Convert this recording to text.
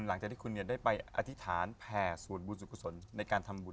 หลังจากที่คุณได้ไปอธิษฐานแผ่ส่วนบุญสุขุศลในการทำบุญ